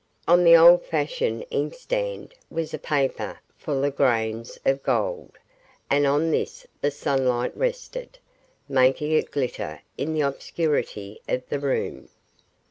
On the old fashioned inkstand was a paper full of grains of gold, and on this the sunlight rested, making it glitter in the obscurity of the room.